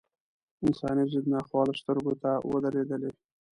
انساني ضد ناخوالې سترګو ته ودرېدلې.